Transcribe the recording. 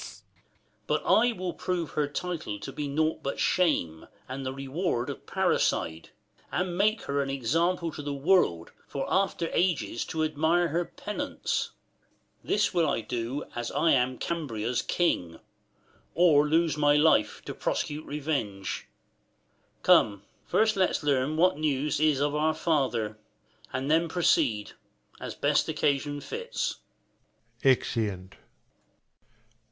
But I will prove her title to be nought But shame, and the reward of parricide ; And make her an example to the world, 105 For after ages to admire her penance. This will I do, as I am Cambria's king, Or lose my life, to prosecute revenge. Come, first let's learn what news is of our father, 109 And then proceed, as best occasion fits. {Exeunt.